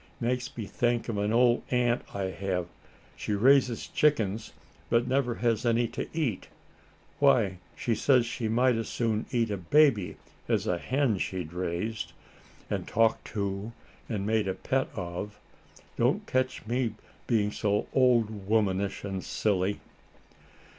Makes me think of an old aunt I have. She raises chickens, but never has any to eat. Why, she says she might as soon eat a baby, as a hen she'd raised, and talked to, and made a pet of. Don't ketch me being so old womanish and silly."